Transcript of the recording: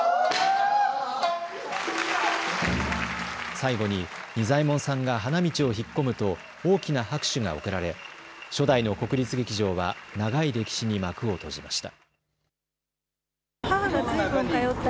最後に仁左衛門さんが花道を引っ込むと大きな拍手が送られ、初代の国立劇場は長い歴史に幕を閉じました。